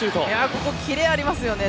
ここキレありますよね